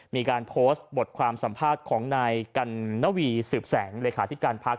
มีการโพสต์บทความสัมภาษณ์ของนายกัณฑ์นาวีสืบแสงหลักหาทิกัณฑ์พัก